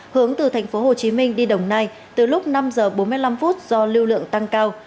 hướng từ tp hcm đi đồng nai từ lúc năm h bốn mươi năm do lưu lượng tăng cao